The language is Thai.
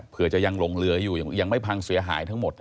เพื่อจะยังหลงเหลืออยู่ยังไม่พังเสียหายทั้งหมด